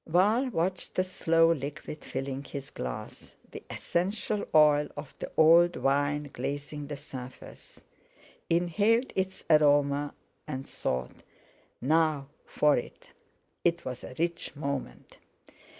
Val watched the slow liquid filling his glass, the essential oil of the old wine glazing the surface; inhaled its aroma, and thought: "Now for it!" It was a rich moment.